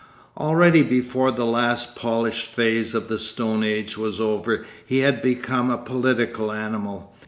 Already before the last polished phase of the stone age was over he had become a political animal.